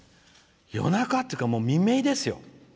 夜中っていうか、未明ですよ。